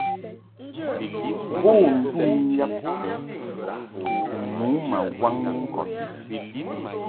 Bo ndun yab sɛ ni nu ma waŋni ŋkɔd.